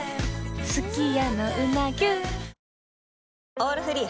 「オールフリー」